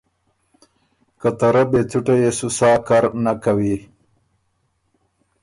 که ته رئ بې څُټه يې سو سا کر نک کوی